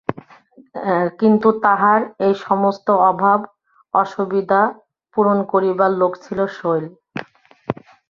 কিন্তু তাঁহার এই-সমস্ত অভাব-অসুবিধা পূরণ করিবার লোক ছিল শৈল।